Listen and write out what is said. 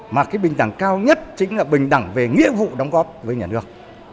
mà cái bình đẳng cao nhất chính là bình đẳng về nghĩa vụ đóng góp với nhà nước